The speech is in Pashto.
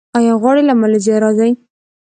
آیا غوړي له مالیزیا راځي؟